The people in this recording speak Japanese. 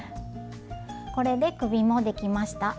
これで首もできました。